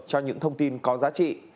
cho những thông tin có giá trị